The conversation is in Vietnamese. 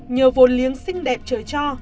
nhờ vồn liếng xinh đẹp trời cho